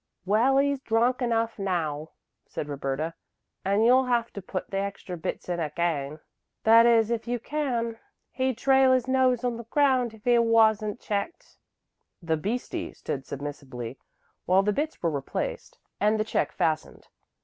"Well, he's drunk enough now," said Roberta, "and you'll have to put the extra bits in again that is, if you can. He'd trail his nose on the ground if he wasn't checked." The "beastie" stood submissively while the bits were replaced and the check fastened.